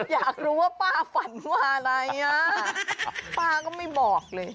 อยากรู้ว่าป้าฝันว่าอะไรอ่ะป้าก็ไม่บอกเลย